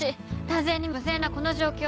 多勢に無勢なこの状況